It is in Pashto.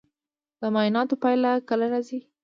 د معایناتو پایله کله راځي؟